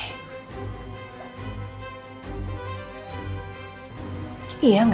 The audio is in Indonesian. aku mau pergi ke rumah